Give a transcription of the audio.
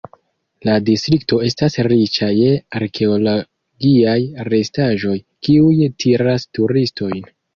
La distrikto estas riĉa je arkeologiaj restaĵoj, kiuj tiras turistojn.